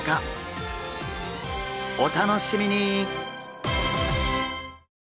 お楽しみに！